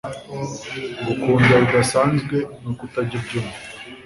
ngukunda bidasanzwe nuko utajya ubyumva